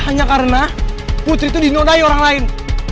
hanya karena putri itu dinodai orang lain